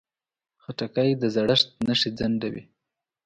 خټکی د زړښت نښې ځنډوي.